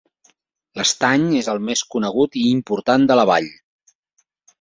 L'estany és el més conegut i important de la vall.